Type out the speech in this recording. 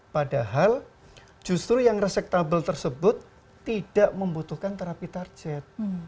padahal justru yang reseptable tersebut tidak membutuhkan terapi target